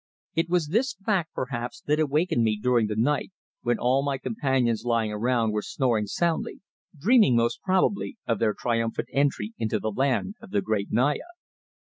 It was this fact, perhaps, that awakened me during the night, when all my companions lying around were snoring soundly, dreaming most probably, of their triumphant entry into the land of the great Naya.